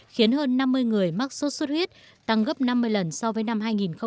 khiến hơn năm mươi người mắc sốt xuất huyết tăng gấp năm mươi lần so với năm hai nghìn một mươi